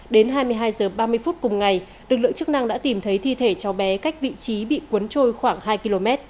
đến hai mươi hai h ba mươi phút cùng ngày lực lượng chức năng đã tìm thấy thi thể cháu bé cách vị trí bị cuốn trôi khoảng hai km